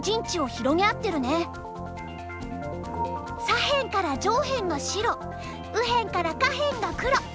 左辺から上辺が白右辺から下辺が黒。